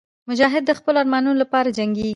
مجاهد د خپلو ارمانونو لپاره جنګېږي.